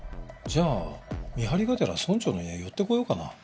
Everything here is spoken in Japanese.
じゃあ見張りがてら村長の家寄ってこようかな。